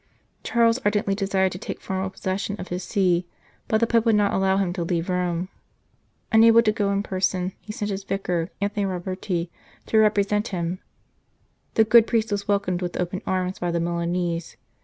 Charles ardently desired to take formal posses sion of his See, but the Pope would not allow him to leave Rome. Unable to go in person, he sent his Vicar, Anthony Roberti, to represent him. This good priest was welcomed with open arms by the Milanese.